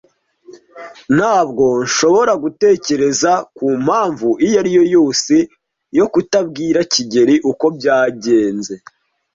Ntabwo nshobora gutekereza ku mpamvu iyo ari yo yose yo kutabwira kigeli uko byagenze.